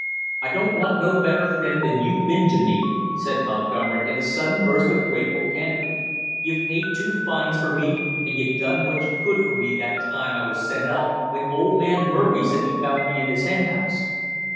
"I don't want no better friend than you been to me," said Montgomery in a sudden burst of grateful candor. "You've paid two fines for me, and you done what you could for me that time I was sent up, when old man Murphy said he found me in his hen house."